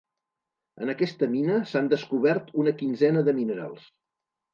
En aquesta mina s'han descobert una quinzena de minerals.